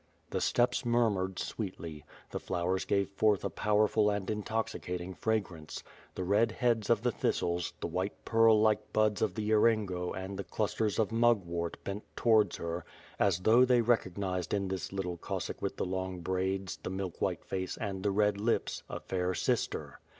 The steppes murmured sweetly; the flowers gave forth a powerful and intoxicating fragrance; the red heads of the thistles, the white pearl like buds of the eryngo and the clus ters of mug wort bent towards her, as though they recognized in this little Cossack with the long braids, the milk white face, and the red lips, a fair sister.